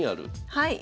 はい。